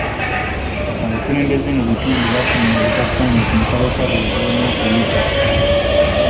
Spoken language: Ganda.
Abakulembeze mu kitundu bafunye obutakkaanya ku nsalosalo wezirina okuyita